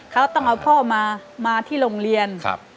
เขาต้องเอาพ่อมาที่โรงเรียน